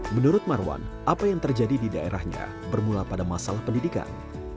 menurut marwan apa yang terjadi di daerahnya bermula pada masalah pendidikan